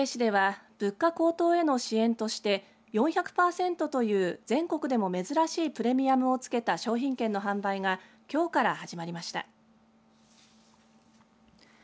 筑西市では物価高騰への支援として４００パーセントという全国でも珍しいプレミアムを付けた商品券の販売がきょうから始まりました。